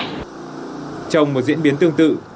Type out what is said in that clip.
trong một diễn biến tương tự